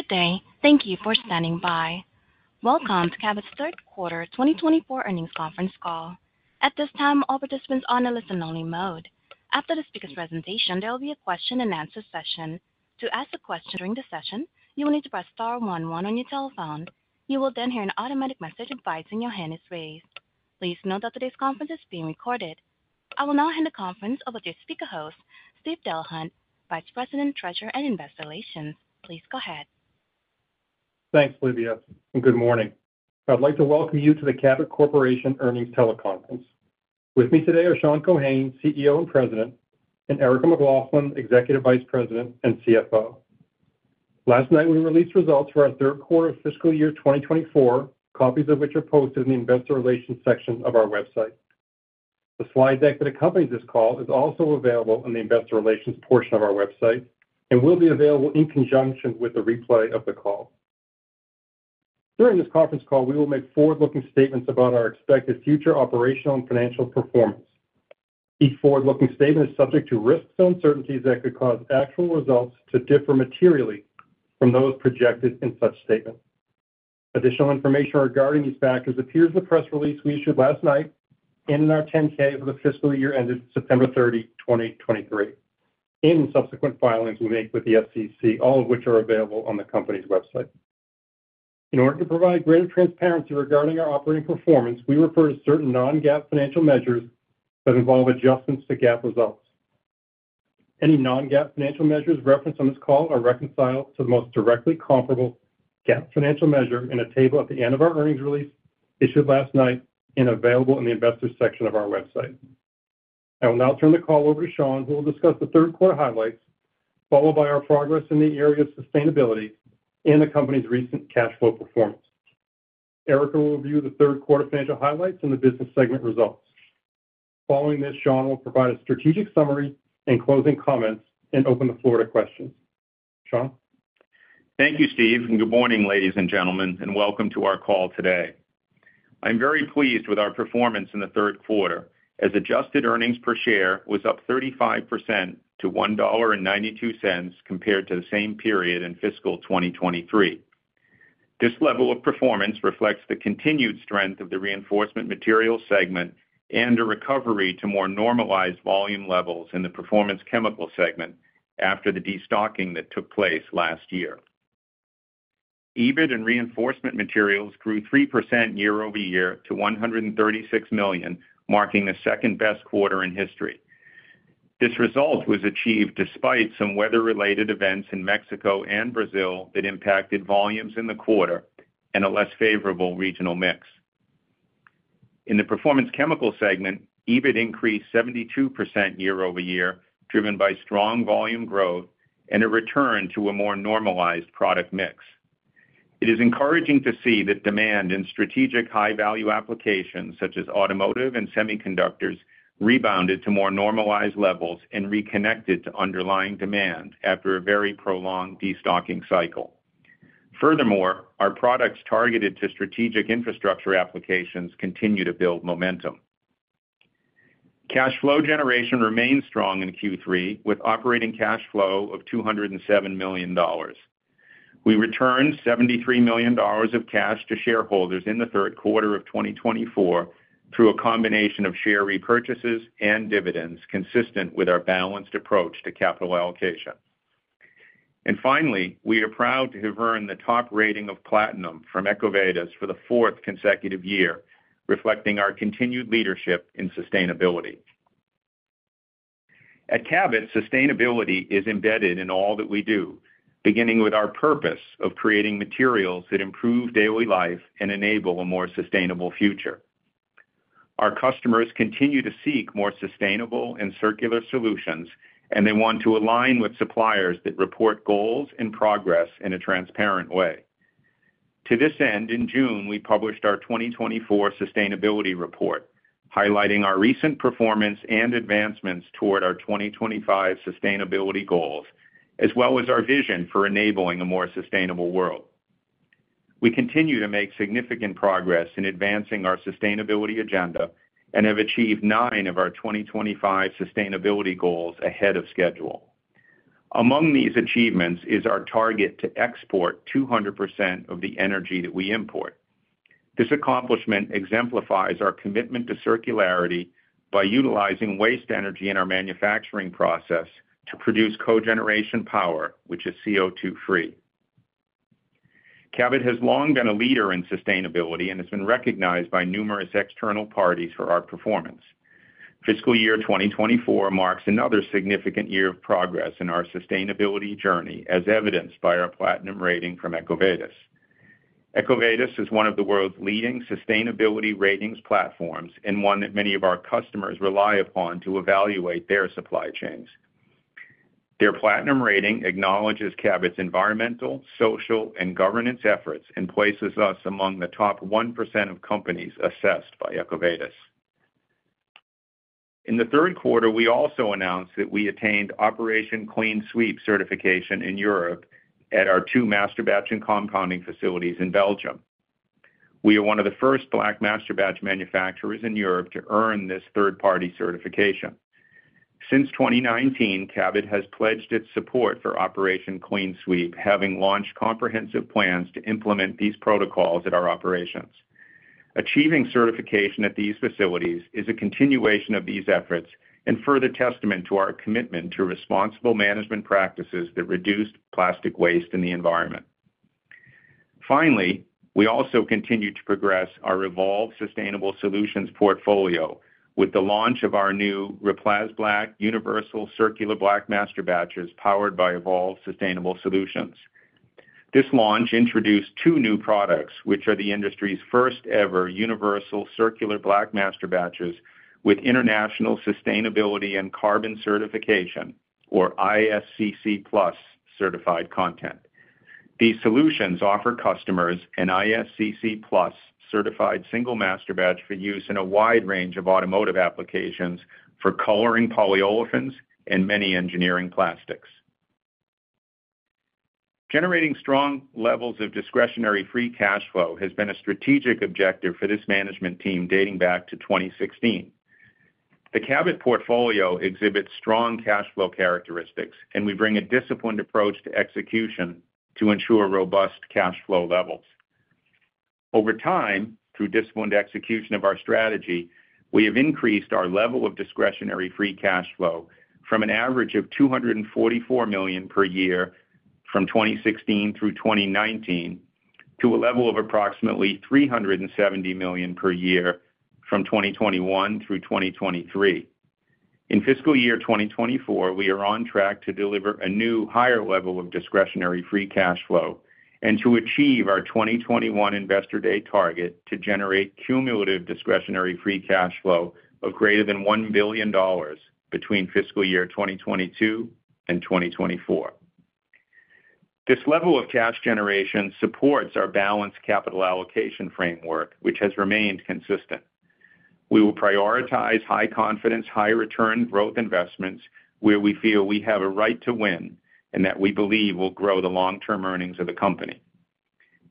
Good day. Thank you for standing by. Welcome to Cabot's Third Quarter 2024 earnings conference call. At this time, all participants are on a listen-only mode. After the speaker's presentation, there will be a question-and-answer session. To ask a question during the session, you will need to press star one one on your telephone. You will then hear an automatic message advising your hand is raised. Please note that today's conference is being recorded. I will now hand the conference over to speaker host, Steve Delahunt, Vice President, Treasurer, and Investor Relations. Please go ahead. Thanks, Livia, and good morning. I'd like to welcome you to the Cabot Corporation Earnings Teleconference. With me today are Sean Keohane, CEO and President, and Erica McLaughlin, Executive Vice President and CFO. Last night, we released results for our third quarter of fiscal year 2024, copies of which are posted in the Investor Relations section of our website. The slide deck that accompanies this call is also available on the Investor Relations portion of our website and will be available in conjunction with the replay of the call. During this conference call, we will make forward-looking statements about our expected future operational and financial performance. Each forward-looking statement is subject to risks and uncertainties that could cause actual results to differ materially from those projected in such statements. Additional information regarding these factors appears in the press release we issued last night in our 10-K for the fiscal year ended September 30, 2023, in subsequent filings we make with the SEC, all of which are available on the company's website. In order to provide greater transparency regarding our operating performance, we refer to certain non-GAAP financial measures that involve adjustments to GAAP results. Any non-GAAP financial measures referenced on this call are reconciled to the most directly comparable GAAP financial measure in a table at the end of our earnings release issued last night and available in the Investors section of our website. I will now turn the call over to Sean, who will discuss the third quarter highlights, followed by our progress in the area of sustainability and the company's recent cash flow performance. Erica will review the third quarter financial highlights and the business segment results. Following this, Sean will provide a strategic summary and closing comments and open the floor to questions. Sean? Thank you, Steve, and good morning, ladies and gentlemen, and welcome to our call today. I'm very pleased with our performance in the third quarter, as adjusted earnings per share was up 35% to $1.92, compared to the same period in fiscal 2023. This level of performance reflects the continued strength of the Reinforcement Materials segment and a recovery to more normalized volume levels in the Performance Chemicals segment after the destocking that took place last year. EBIT in Reinforcement Materials grew 3% year-over-year to $136 million, marking the second-best quarter in history. This result was achieved despite some weather-related events in Mexico and Brazil that impacted volumes in the quarter and a less favorable regional mix. In the Performance Chemicals segment, EBIT increased 72% year-over-year, driven by strong volume growth and a return to a more normalized product mix. It is encouraging to see that demand in strategic high-value applications, such as automotive and semiconductors, rebounded to more normalized levels and reconnected to underlying demand after a very prolonged destocking cycle. Furthermore, our products targeted to strategic infrastructure applications continue to build momentum. Cash flow generation remained strong in Q3, with operating cash flow of $207 million. We returned $73 million of cash to shareholders in the third quarter of 2024 through a combination of share repurchases and dividends, consistent with our balanced approach to capital allocation. And finally, we are proud to have earned the top rating of Platinum from EcoVadis for the fourth consecutive year, reflecting our continued leadership in sustainability. At Cabot, sustainability is embedded in all that we do, beginning with our purpose of creating materials that improve daily life and enable a more sustainable future. Our customers continue to seek more sustainable and circular solutions, and they want to align with suppliers that report goals and progress in a transparent way. To this end, in June, we published our 2024 Sustainability Report, highlighting our recent performance and advancements toward our 2025 sustainability goals, as well as our vision for enabling a more sustainable world. We continue to make significant progress in advancing our sustainability agenda and have achieved nine of our 2025 sustainability goals ahead of schedule. Among these achievements is our target to export 200% of the energy that we import. This accomplishment exemplifies our commitment to circularity by utilizing waste energy in our manufacturing process to produce cogeneration power, which is CO2-free. Cabot has long been a leader in sustainability and has been recognized by numerous external parties for our performance. Fiscal year 2024 marks another significant year of progress in our sustainability journey, as evidenced by our Platinum rating from EcoVadis. EcoVadis is one of the world's leading sustainability ratings platforms and one that many of our customers rely upon to evaluate their supply chains. Their Platinum rating acknowledges Cabot's environmental, social, and governance efforts and places us among the top 1% of companies assessed by EcoVadis. In the third quarter, we also announced that we attained Operation Clean Sweep certification in Europe at our two masterbatch and compounding facilities in Belgium. We are one of the first black masterbatch manufacturers in Europe to earn this third-party certification. Since 2019, Cabot has pledged its support for Operation Clean Sweep, having launched comprehensive plans to implement these protocols at our operations. Achieving certification at these facilities is a continuation of these efforts and further testament to our commitment to responsible management practices that reduce plastic waste in the environment. Finally, we also continue to progress our EVOLVE Sustainable Solutions portfolio with the launch of our new REPLASBLAK universal circular black masterbatches, powered by EVOLVE Sustainable Solutions. This launch introduced two new products, which are the industry's first-ever universal circular black masterbatches with International Sustainability and Carbon Certification, or ISCC PLUS certified content. These solutions offer customers an ISCC PLUS certified single masterbatch for use in a wide range of automotive applications for coloring polyolefins and many engineering plastics. Generating strong levels of discretionary free cash flow has been a strategic objective for this management team, dating back to 2016. The Cabot portfolio exhibits strong cash flow characteristics, and we bring a disciplined approach to execution to ensure robust cash flow levels. Over time, through disciplined execution of our strategy, we have increased our level of discretionary free cash flow from an average of $244 million per year from 2016 through 2019, to a level of approximately $370 million per year from 2021 through 2023. In fiscal year 2024, we are on track to deliver a new, higher level of discretionary free cash flow and to achieve our 2021 Investor Day target to generate cumulative discretionary free cash flow of greater than $1 billion between fiscal year 2022 and 2024. This level of cash generation supports our balanced capital allocation framework, which has remained consistent. We will prioritize high confidence, high return growth investments where we feel we have a right to win and that we believe will grow the long-term earnings of the company.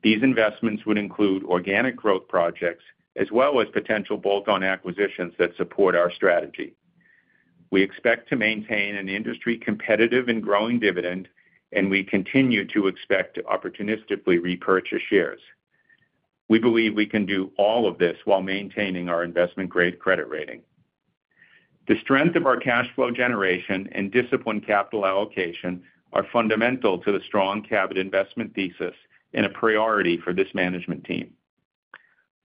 These investments would include organic growth projects as well as potential bolt-on acquisitions that support our strategy. We expect to maintain an industry-competitive and growing dividend, and we continue to expect to opportunistically repurchase shares. We believe we can do all of this while maintaining our investment-grade credit rating. The strength of our cash flow generation and disciplined capital allocation are fundamental to the strong Cabot investment thesis and a priority for this management team.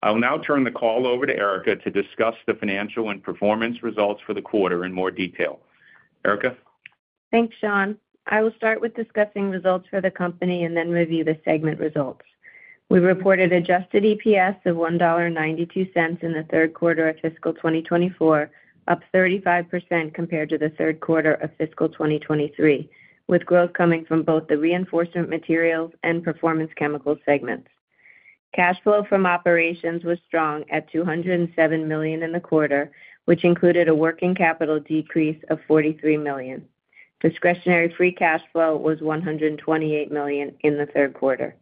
I will now turn the call over to Erica to discuss the financial and performance results for the quarter in more detail. Erica? Thanks, Sean. I will start with discussing results for the company and then review the segment results. We reported adjusted EPS of $1.92 in the third quarter of fiscal 2024, up 35% compared to the third quarter of fiscal 2023, with growth coming from both the Reinforcement Materials and Performance Chemicals segments. Cash flow from operations was strong at $207 million in the quarter, which included a working capital decrease of $43 million. Discretionary free cash flow was $128 million in the third quarter.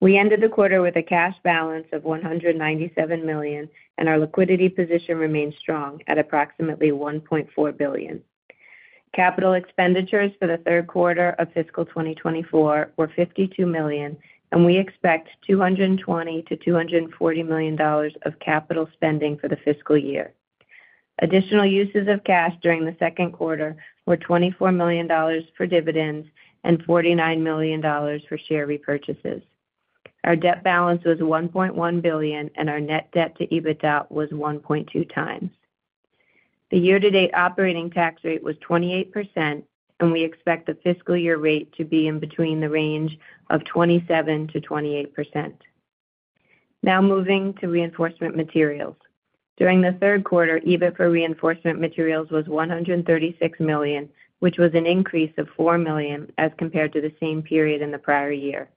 We ended the quarter with a cash balance of $197 million, and our liquidity position remains strong at approximately $1.4 billion. Capital expenditures for the third quarter of fiscal 2024 were $52 million, and we expect $220 million-$240 million of capital spending for the fiscal year. Additional uses of cash during the second quarter were $24 million for dividends and $49 million for share repurchases. Our debt balance was $1.1 billion, and our net debt to EBITDA was 1.2x. The year-to-date operating tax rate was 28%, and we expect the fiscal year rate to be in between the range of 27%-28%. Now moving to Reinforcement Materials. During the third quarter, EBIT for Reinforcement Materials was $136 million, which was an increase of $4 million as compared to the same period in the prior year.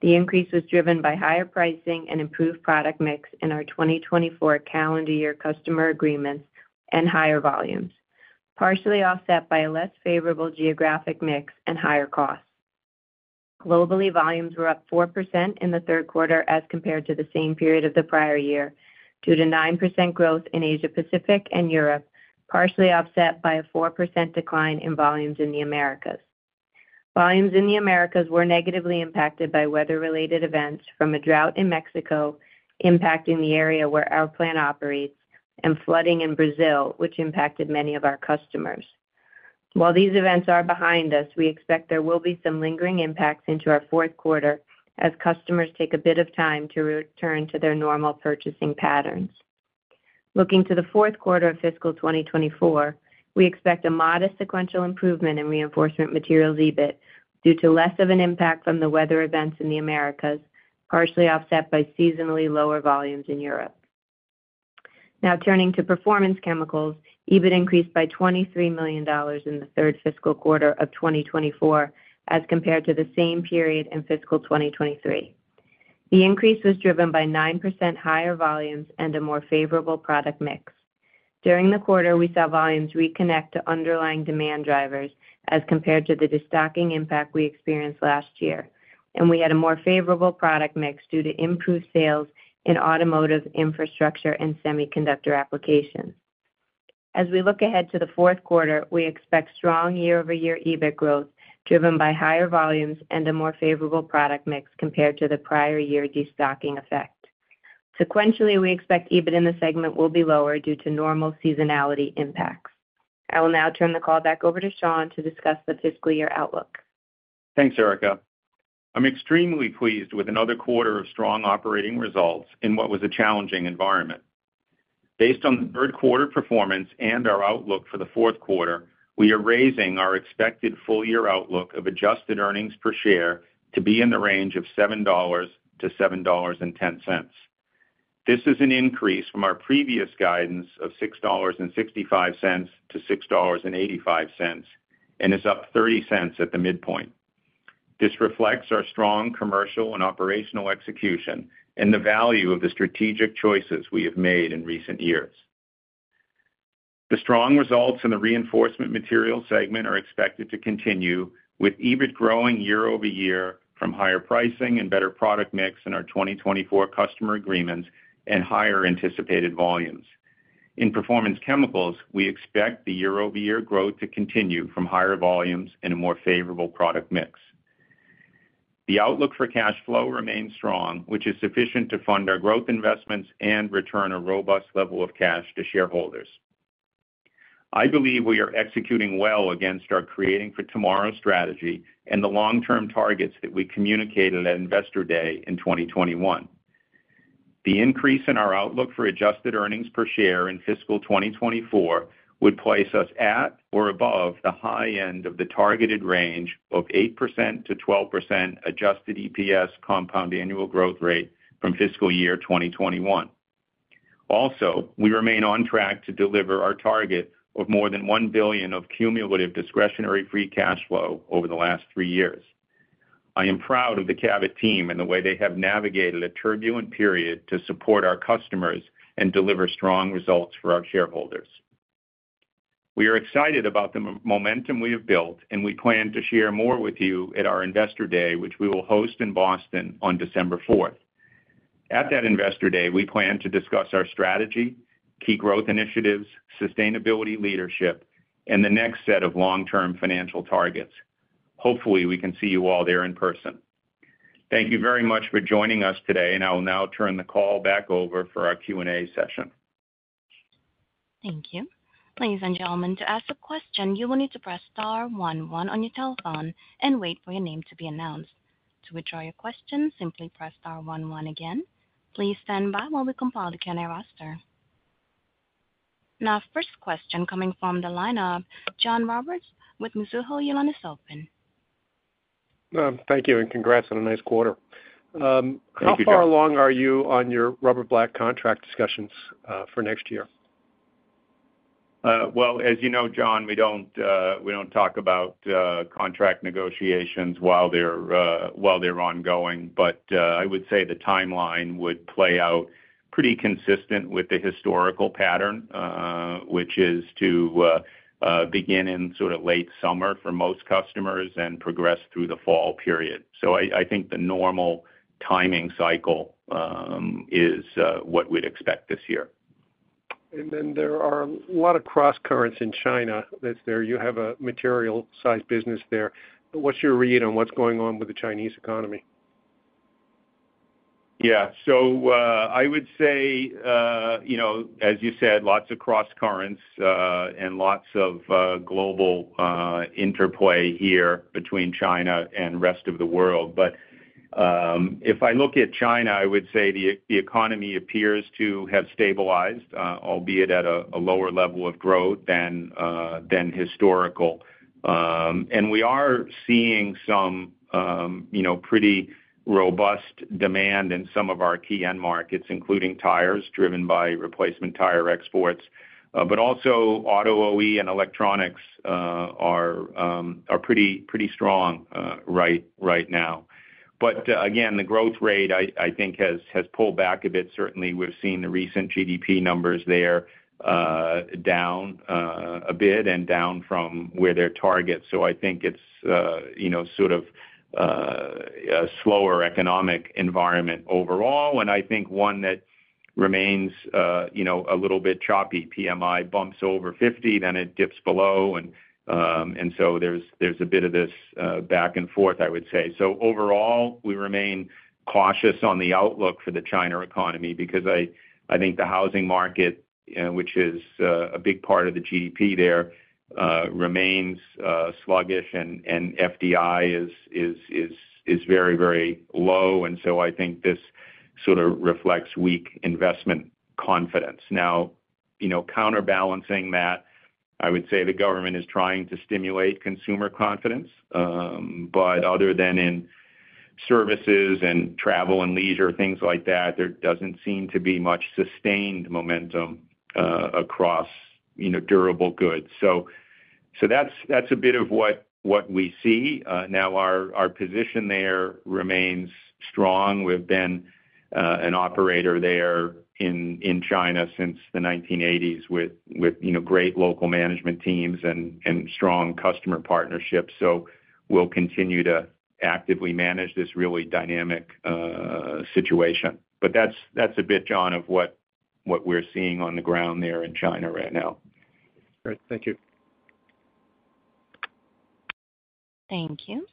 The increase was driven by higher pricing and improved product mix in our 2024 calendar year customer agreements and higher volumes, partially offset by a less favorable geographic mix and higher costs. Globally, volumes were up 4% in the third quarter as compared to the same period of the prior year, due to 9% growth in Asia Pacific and Europe, partially offset by a 4% decline in volumes in the Americas. Volumes in the Americas were negatively impacted by weather-related events, from a drought in Mexico impacting the area where our plant operates, and flooding in Brazil, which impacted many of our customers. While these events are behind us, we expect there will be some lingering impacts into our fourth quarter as customers take a bit of time to return to their normal purchasing patterns. Looking to the fourth quarter of fiscal 2024, we expect a modest sequential improvement in Reinforcement Materials EBIT due to less of an impact from the weather events in the Americas, partially offset by seasonally lower volumes in Europe. Now turning to Performance Chemicals. EBIT increased by $23 million in the third fiscal quarter of 2024 as compared to the same period in fiscal 2023. The increase was driven by 9% higher volumes and a more favorable product mix.... During the quarter, we saw volumes reconnect to underlying demand drivers as compared to the destocking impact we experienced last year, and we had a more favorable product mix due to improved sales in automotive, infrastructure, and semiconductor applications. As we look ahead to the fourth quarter, we expect strong year-over-year EBIT growth, driven by higher volumes and a more favorable product mix compared to the prior year destocking effect. Sequentially, we expect EBIT in the segment will be lower due to normal seasonality impacts. I will now turn the call back over to Sean to discuss the fiscal year outlook. Thanks, Erica. I'm extremely pleased with another quarter of strong operating results in what was a challenging environment. Based on the third quarter performance and our outlook for the fourth quarter, we are raising our expected full year outlook of adjusted earnings per share to be in the range of $7-$7.10. This is an increase from our previous guidance of $6.65-$6.85, and is up $0.30 at the midpoint. This reflects our strong commercial and operational execution and the value of the strategic choices we have made in recent years. The strong results in the Reinforcement Materials segment are expected to continue, with EBIT growing year-over-year from higher pricing and better product mix in our 2024 customer agreements and higher anticipated volumes. In Performance Chemicals, we expect the year-over-year growth to continue from higher volumes and a more favorable product mix. The outlook for cash flow remains strong, which is sufficient to fund our growth investments and return a robust level of cash to shareholders. I believe we are executing well against our Creating for Tomorrow strategy and the long-term targets that we communicated at Investor Day in 2021. The increase in our outlook for adjusted earnings per share in fiscal 2024 would place us at or above the high end of the targeted range of 8%-12% adjusted EPS compound annual growth rate from fiscal year 2021. Also, we remain on track to deliver our target of more than $1 billion of cumulative discretionary free cash flow over the last three years. I am proud of the Cabot team and the way they have navigated a turbulent period to support our customers and deliver strong results for our shareholders. We are excited about the momentum we have built, and we plan to share more with you at our Investor Day, which we will host in Boston on December 4th. At that Investor Day, we plan to discuss our strategy, key growth initiatives, sustainability leadership, and the next set of long-term financial targets. Hopefully, we can see you all there in person. Thank you very much for joining us today, and I will now turn the call back over for our Q&A session. Thank you. Ladies and gentlemen, to ask a question, you will need to press star one one on your telephone and wait for your name to be announced. To withdraw your question, simply press star one one again. Please stand by while we compile the Q&A roster. Now, first question coming from the line of John Roberts with Mizuho. Your line is open. Thank you, and congrats on a nice quarter. Thank you, John. How far along are you on your rubber black contract discussions, for next year? Well, as you know, John, we don't, we don't talk about contract negotiations while they're, while they're ongoing. But, I would say the timeline would play out pretty consistent with the historical pattern, which is to, begin in sort of late summer for most customers and progress through the fall period. So I, I think the normal timing cycle, is, what we'd expect this year. Then there are a lot of crosscurrents in China that's there. You have a material-sized business there. What's your read on what's going on with the Chinese economy? Yeah. So, I would say, you know, as you said, lots of crosscurrents, and lots of global interplay here between China and rest of the world. But, if I look at China, I would say the economy appears to have stabilized, albeit at a lower level of growth than historical. And we are seeing some, you know, pretty robust demand in some of our key end markets, including tires, driven by replacement tire exports. But also, auto OE and electronics are pretty, pretty strong right, right now. But, again, the growth rate, I think has pulled back a bit. Certainly, we've seen the recent GDP numbers there, down a bit and down from where their targets were. So I think it's, you know, sort of, a slower economic environment overall, and I think one that remains, you know, a little bit choppy. PMI bumps over 50, then it dips below. And so there's, there's a bit of this, back and forth, I would say. So overall, we remain cautious on the outlook for the China economy because I, I think the housing market, which is, a big part of the GDP there, remains, sluggish, and, and FDI is, is, is, is very, very low. And so I think this sort of reflects weak investment confidence. Now, you know, counterbalancing that, I would say the government is trying to stimulate consumer confidence. But other than in services and travel and leisure, things like that, there doesn't seem to be much sustained momentum across, you know, durable goods. So that's a bit of what we see. Now our position there remains strong. We've been an operator there in China since the 1980s with, you know, great local management teams and strong customer partnerships. So we'll continue to actively manage this really dynamic situation. But that's a bit, John, of what we're seeing on the ground there in China right now. Great. Thank you. Thank you.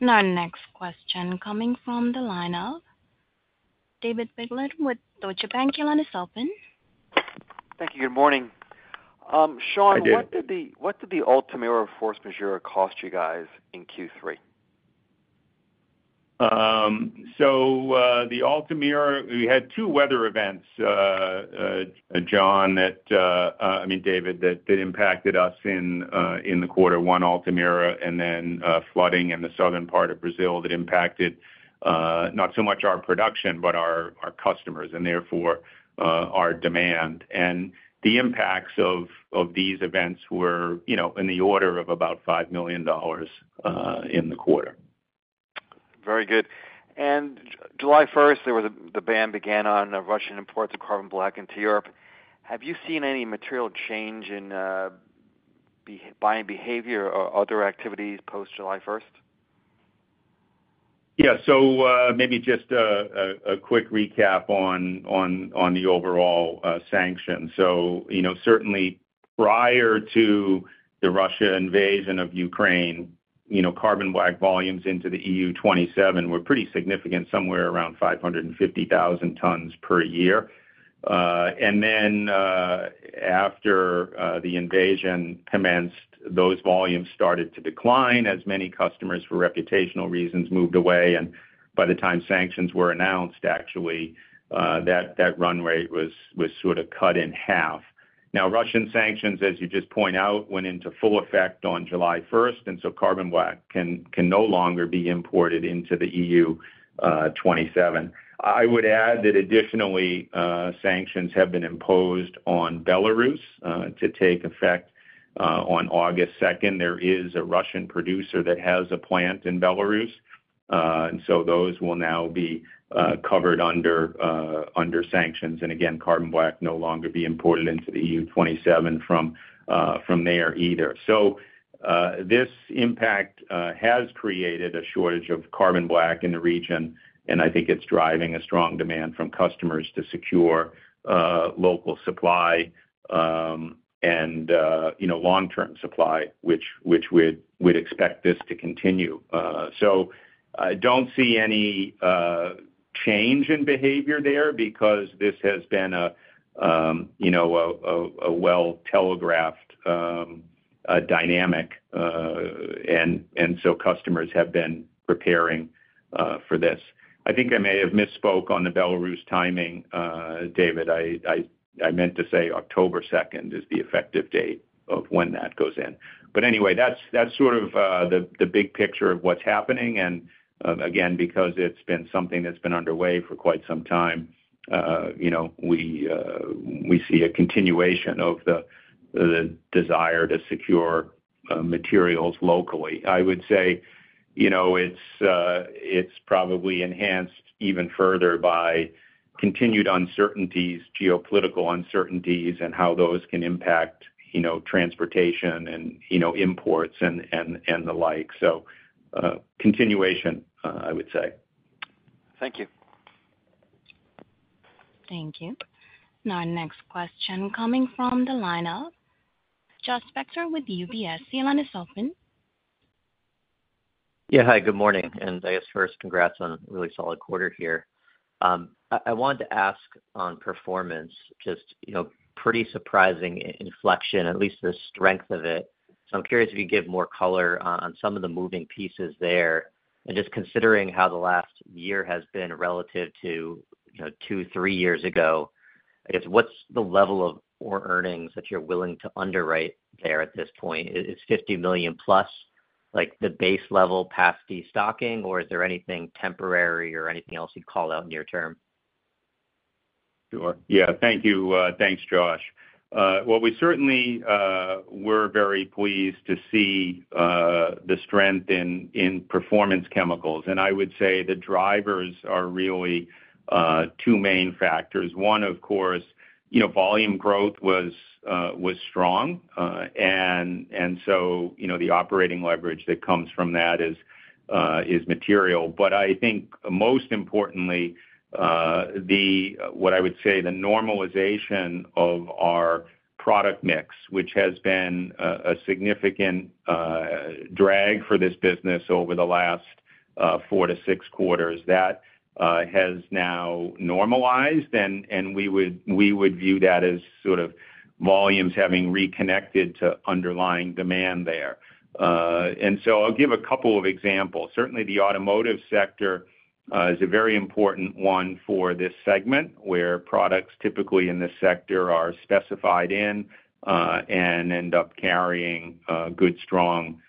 Now our next question coming from the line of David Begleiter with Deutsche Bank. Your line is open. Thank you. Good morning. Sean- Hi, David. What did the Altamira force majeure cost you guys in Q3? So, the Altamira, we had two weather events, John, that, I mean, David, that, that impacted us in, in the quarter. One, Altamira, and then, flooding in the southern part of Brazil that impacted, not so much our production, but our, our customers, and therefore, our demand. And the impacts of, of these events were, you know, in the order of about $5 million, in the quarter. Very good. July 1st, the ban began on Russian imports of carbon black into Europe. Have you seen any material change in buying behavior or other activities post July 1st? Yeah. So, maybe just a quick recap on the overall sanctions. So, you know, certainly prior to the Russia invasion of Ukraine, you know, carbon black volumes into the EU-27 were pretty significant, somewhere around 550,000 tons per year. And then, after the invasion commenced, those volumes started to decline as many customers, for reputational reasons, moved away. And by the time sanctions were announced, actually, that run rate was sort of cut in 1/2. Now, Russian sanctions, as you just point out, went into full effect on July 1st, and so carbon black can no longer be imported into the EU-27. I would add that additionally, sanctions have been imposed on Belarus to take effect on August 2nd. There is a Russian producer that has a plant in Belarus, and so those will now be covered under sanctions, and again, carbon black no longer be imported into the EU-27 from there either. So, this impact has created a shortage of carbon black in the region, and I think it's driving a strong demand from customers to secure local supply, and, you know, long-term supply, which we'd expect this to continue. So I don't see any change in behavior there because this has been a, you know, a well-telegraphed dynamic. And so customers have been preparing for this. I think I may have misspoke on the Belarus timing, David. I meant to say October 2nd is the effective date of when that goes in. But anyway, that's sort of the big picture of what's happening. And again, because it's been something that's been underway for quite some time, you know, we see a continuation of the desire to secure materials locally. I would say, you know, it's probably enhanced even further by continued uncertainties, geopolitical uncertainties, and how those can impact, you know, transportation and, you know, imports and the like. So, continuation, I would say. Thank you. Thank you. Now our next question coming from the line of Josh Spector with UBS. Your line is open. Yeah, hi, good morning, and I guess first, congrats on a really solid quarter here. I wanted to ask on performance, just, you know, pretty surprising inflection, at least the strength of it. So I'm curious if you could give more color on, on some of the moving pieces there. And just considering how the last year has been relative to, you know, two, three years ago, I guess, what's the level of or earnings that you're willing to underwrite there at this point? Is, is $50 million+, like, the base level past destocking, or is there anything temporary or anything else you'd call out near term? Sure. Yeah. Thank you, thanks, Josh. Well, we certainly, we're very pleased to see the strength in Performance Chemicals. And I would say the drivers are really two main factors. One, of course, you know, volume growth was strong. And so, you know, the operating leverage that comes from that is material. But I think most importantly, the what I would say, the normalization of our product mix, which has been a significant drag for this business over the last four to six quarters, that has now normalized, and we would view that as sort of volumes having reconnected to underlying demand there. And so I'll give a couple of examples. Certainly, the automotive sector is a very important one for this segment, where products typically in this sector are specified in and end up carrying good, strong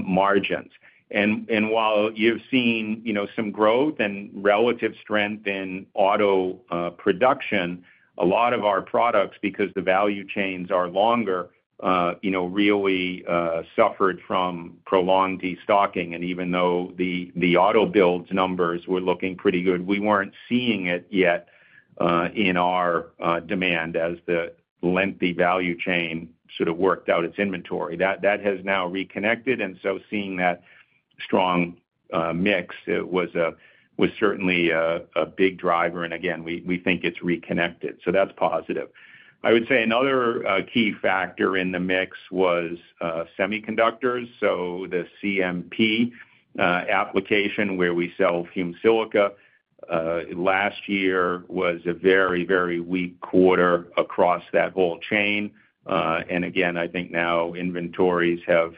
margins. And while you've seen, you know, some growth and relative strength in auto production, a lot of our products, because the value chains are longer, you know, really suffered from prolonged destocking. And even though the auto builds numbers were looking pretty good, we weren't seeing it yet in our demand as the lengthy value chain sort of worked out its inventory. That has now reconnected, and so seeing that strong mix, it was certainly a big driver, and again, we think it's reconnected, so that's positive. I would say another key factor in the mix was semiconductors. So the CMP application, where we sell fumed silica, last year was a very, very weak quarter across that whole chain. And again, I think now inventories have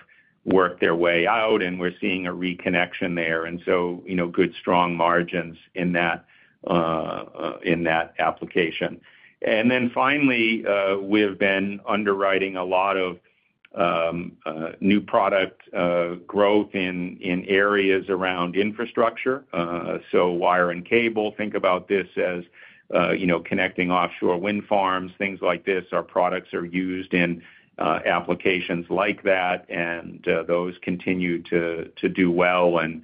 worked their way out, and we're seeing a reconnection there, and so, you know, good, strong margins in that application. And then finally, we've been underwriting a lot of new product growth in areas around infrastructure. So wire and cable, think about this as, you know, connecting offshore wind farms, things like this. Our products are used in applications like that, and those continue to do well and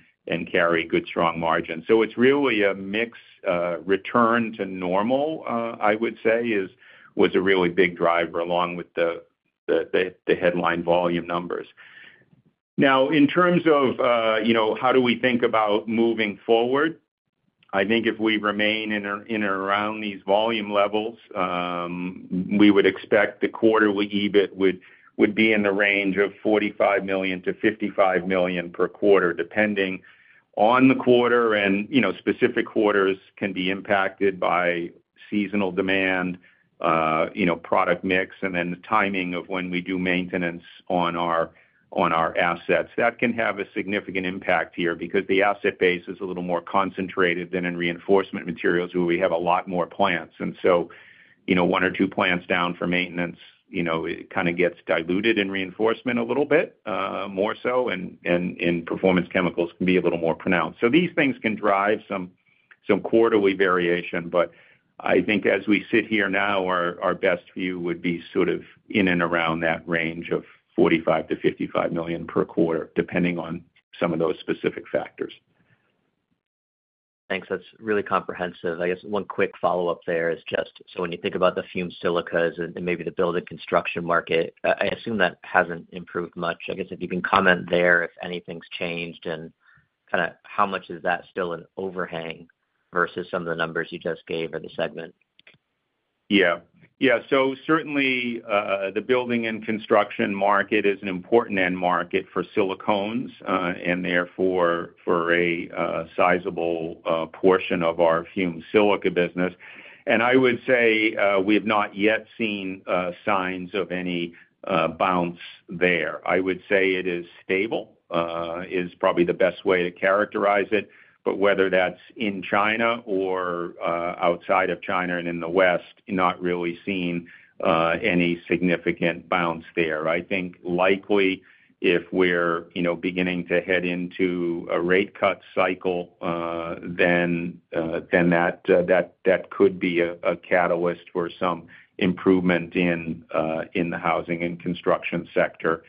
carry good, strong margins. So it's really a mix, return to normal, I would say, was a really big driver, along with the headline volume numbers. Now, in terms of, you know, how do we think about moving forward? I think if we remain in or, in around these volume levels, we would expect the quarterly EBIT would, would be in the range of $45 million-$55 million per quarter, depending on the quarter. And, you know, specific quarters can be impacted by seasonal demand, you know, product mix, and then the timing of when we do maintenance on our, on our assets. That can have a significant impact here because the asset base is a little more concentrated than in Reinforcement Materials, where we have a lot more plants. And so, you know, one or two plants down for maintenance, you know, it kinda gets diluted in Reinforcement a little bit, more so, and, and in Performance Chemicals can be a little more pronounced. So these things can drive some quarterly variation, but I think as we sit here now, our best view would be sort of in and around that range of $45 million-$55 million per quarter, depending on some of those specific factors. Thanks. That's really comprehensive. I guess one quick follow-up there is just, so when you think about the fumed silicas and, and maybe the building construction market, I, I assume that hasn't improved much. I guess if you can comment there, if anything's changed, and kinda how much is that still an overhang versus some of the numbers you just gave or the segment? Yeah. Yeah, so certainly, the building and construction market is an important end market for silicones, and therefore, for a sizable portion of our fumed silica business. And I would say, we have not yet seen signs of any bounce there. I would say it is stable, is probably the best way to characterize it, but whether that's in China or outside of China and in the West, not really seeing any significant bounce there. I think likely if we're, you know, beginning to head into a rate cut cycle, then that could be a catalyst for some improvement in the housing and construction sector.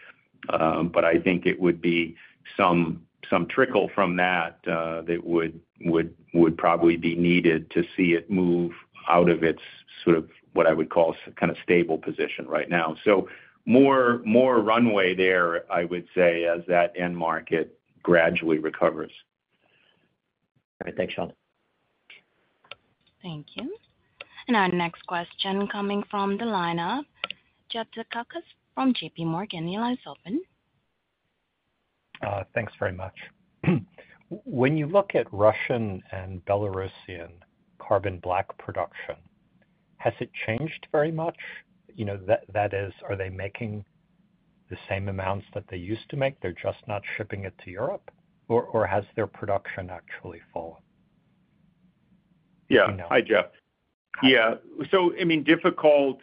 But I think it would be some trickle from that that would probably be needed to see it move out of its sort of, what I would call, kinda stable position right now. So more runway there, I would say, as that end market gradually recovers. All right, thanks, Sean. Thank you. Our next question coming from the line of Jeff Zekauskas from JP Morgan. The line is open. Thanks very much. When you look at Russian and Belarusian carbon black production, has it changed very much? You know, that is, are they making the same amounts that they used to make, they're just not shipping it to Europe, or has their production actually fallen? Yeah. You know- Hi, Jeff. Yeah, so I mean, difficult,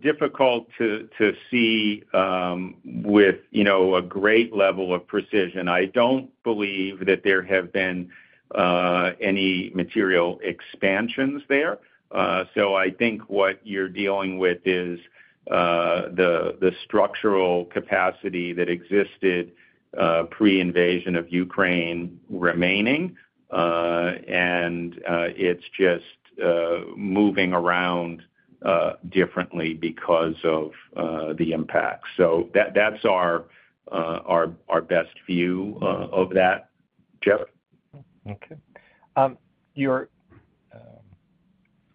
difficult to, to see, with, you know, a great level of precision. I don't believe that there have been, any material expansions there. So I think what you're dealing with is, the, the structural capacity that existed, pre-invasion of Ukraine remaining, and, it's just, moving around, differently because of, the impact. So that- that's our, our, our best view, of that, Jeff. Okay.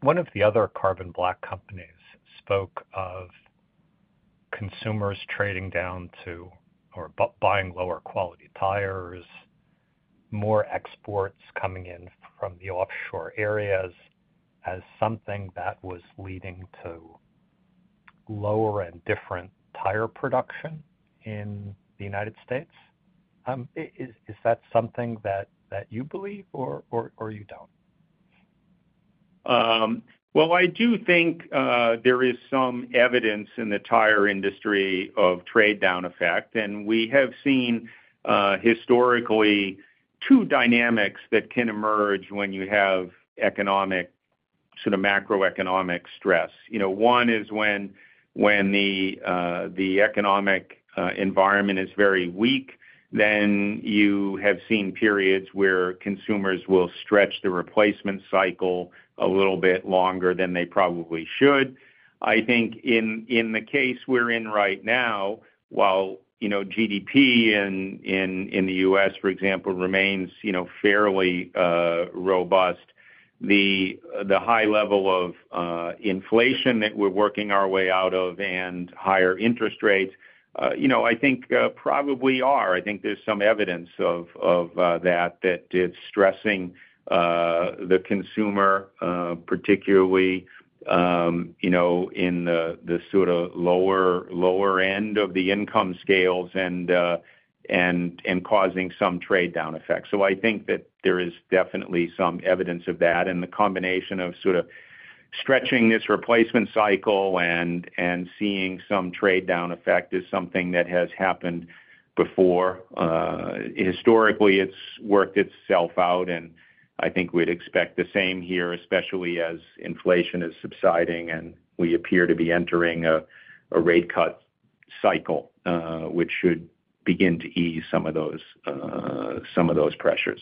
One of the other carbon black companies spoke of consumers trading down to or buying lower quality tires, more exports coming in from the offshore areas as something that was leading to lower and different tire production in the United States. Is that something that you believe or you don't? Well, I do think there is some evidence in the tire industry of trade down effect, and we have seen historically two dynamics that can emerge when you have economic sort of macroeconomic stress. You know, one is when the economic environment is very weak, then you have seen periods where consumers will stretch the replacement cycle a little bit longer than they probably should. I think in the case we're in right now, while you know GDP in the U.S., for example, remains you know fairly robust, the high level of inflation that we're working our way out of and higher interest rates you know I think probably are. I think there's some evidence of that it's stressing the consumer, particularly, you know, in the sort of lower end of the income scales and causing some trade down effects. So I think that there is definitely some evidence of that, and the combination of sort of stretching this replacement cycle and seeing some trade down effect is something that has happened before. Historically, it's worked itself out, and I think we'd expect the same here, especially as inflation is subsiding and we appear to be entering a rate cut cycle, which should begin to ease some of those pressures.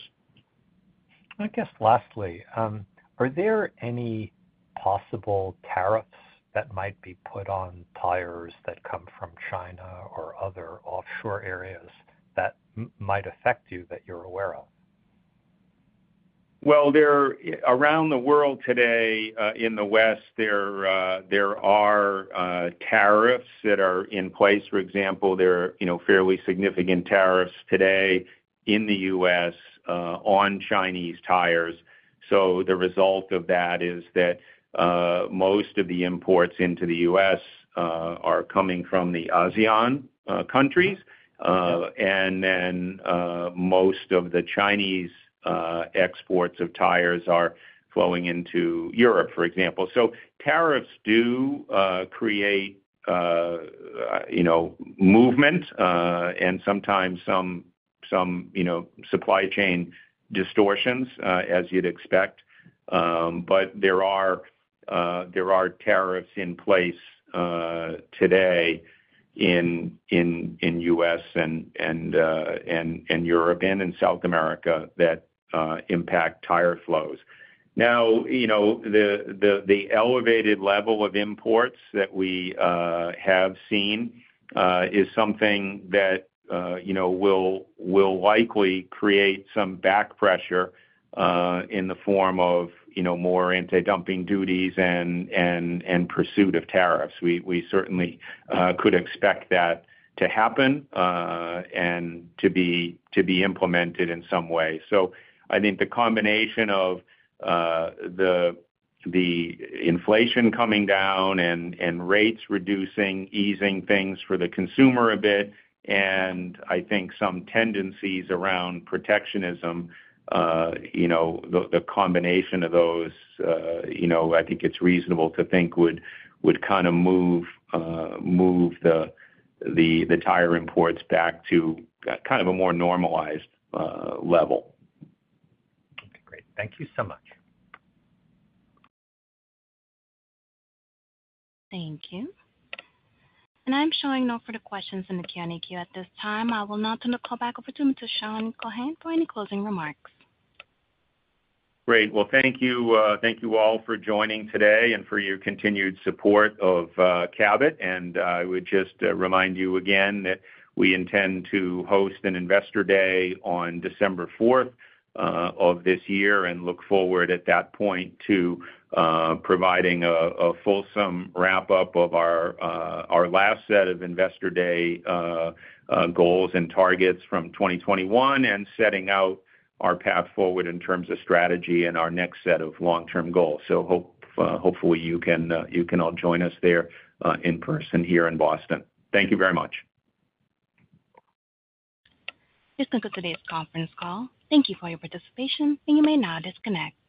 I guess lastly, are there any possible tariffs that might be put on tires that come from China or other offshore areas that might affect you that you're aware of? Well, around the world today in the West, there are tariffs that are in place. For example, there are, you know, fairly significant tariffs today in the U.S. on Chinese tires. So the result of that is that most of the imports into the U.S. are coming from the ASEAN countries. And then most of the Chinese exports of tires are flowing into Europe, for example. So tariffs do create, you know, movement and sometimes some supply chain distortions as you'd expect. But there are tariffs in place today in the U.S. and Europe and in South America that impact tire flows. Now, you know, the elevated level of imports that we have seen is something that, you know, will likely create some back pressure in the form of, you know, more anti-dumping duties and pursuit of tariffs. We certainly could expect that to happen and to be implemented in some way. So I think the combination of the inflation coming down and rates reducing, easing things for the consumer a bit, and I think some tendencies around protectionism, you know, the combination of those, you know, I think it's reasonable to think would kind of move the tire imports back to kind of a more normalized level. Okay, great. Thank you so much. Thank you. I'm showing no further questions in the Q&A queue at this time. I will now turn the call back over to Sean Keohane for any closing remarks. Great. Well, thank you, thank you all for joining today and for your continued support of Cabot. And I would just remind you again that we intend to host an Investor Day on December 4th of this year, and look forward at that point to providing a fulsome wrap up of our our last set of Investor Day goals and targets from 2021, and setting out our path forward in terms of strategy and our next set of long-term goals. So hopefully, you can you can all join us there in person here in Boston. Thank you very much. This concludes today's conference call. Thank you for your participation, and you may now disconnect.